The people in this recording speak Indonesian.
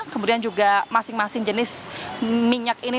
kemudian juga masing masing jenis minyak ini